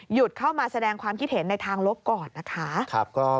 เข้ามาแสดงความคิดเห็นในทางลบก่อนนะคะ